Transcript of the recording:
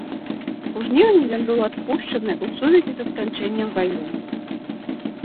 У жніўні ён быў адпушчаны ў сувязі са сканчэннем вайны.